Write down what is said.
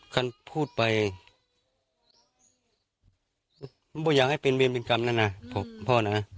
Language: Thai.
กันพูดไปไม่อยากให้เป็นเวียนเป็นกรรมแล้วนะพ่อนะ